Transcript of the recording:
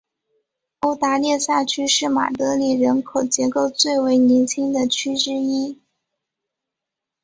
欧达列萨区是马德里人口结构最为年轻的区之一。